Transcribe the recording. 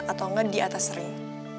atau enggak di atas ring